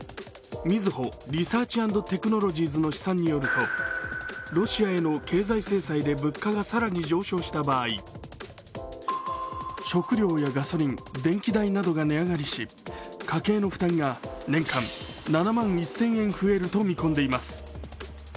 みずほリサーチ＆テクノロジーズの試算によるとロシアへの経済制裁で物価が更に上昇した場合、食料やガソリン、電気代などが値上がりし家計の負担が年間７万１０００円増えると見込んでいます。